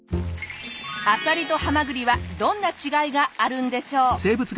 アサリとハマグリはどんな違いがあるんでしょう？